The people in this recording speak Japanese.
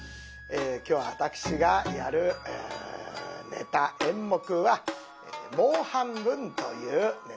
今日私がやるネタ演目は「もう半分」というネタでございます。